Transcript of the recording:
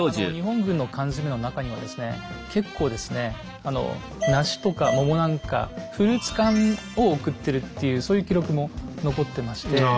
あの日本軍の缶詰の中にはですね結構ですねあの梨とか桃なんかフルーツ缶を送ってるっていうそういう記録も残ってまして。